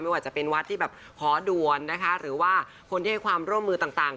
ว่าจะเป็นวัดที่แบบขอด่วนนะคะหรือว่าคนที่ให้ความร่วมมือต่าง